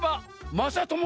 まさとも！